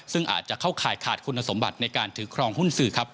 ซึ่งอาจจะเข้าข่ายขาดคุณสมบัติในการถือครองหุ้นสื่อครับ